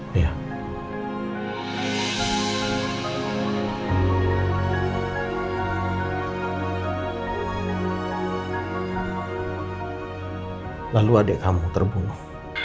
dia sudah jatuh